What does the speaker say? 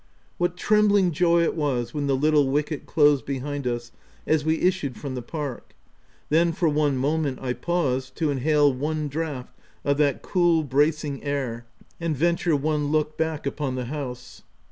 What trembling joy it was when the little wicket closed behind us, as we issued from the park ! Then, for one moment, I paused, to inhale one draught of that cool, bracing air, and venture one look back upon the house.